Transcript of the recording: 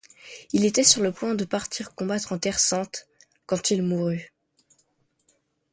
Il était sur le point de partir combattre en Terre sainte, quand il mourut.